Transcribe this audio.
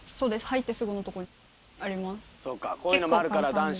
入ってすぐのとこにあります。